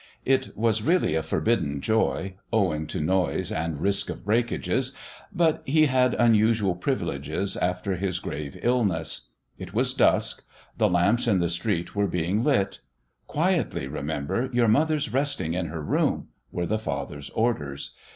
It was really a forbidden joy, owing to noise and risk of breakages, but he had unusual privileges after his grave illness. It was dusk. The lamps in the street were being lit. "Quietly, remember; your mother's resting in her room," were the father's orders.